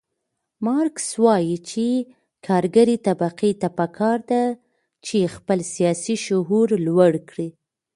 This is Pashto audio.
مارکس وایي چې کارګرې طبقې ته پکار ده چې خپل سیاسي شعور لوړ کړي.